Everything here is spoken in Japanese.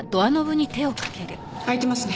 開いてますね。